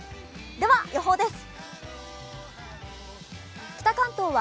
では予報です。